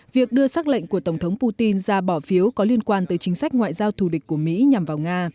việc đưa xác lệnh của tổng thống putin ra bỏ phiếu có liên quan tới chính sách ngoại giao thù địch của mỹ nhằm vào nga